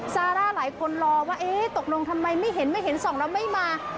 ซาร่าหลายคนรอว่าเอ๊ะตกลงทำไมไม่เห็นไม่เห็นส่องแล้วไม่มา